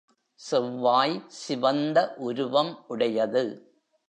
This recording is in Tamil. செவ்வாய் சிவந்த உருவம் உடையது.